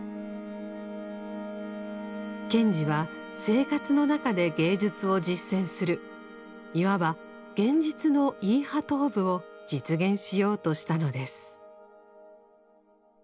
賢治は生活の中で芸術を実践するいわば現実の「イーハトーブ」を実現しようとしたのです。